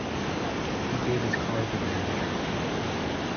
He gave his card to the manager.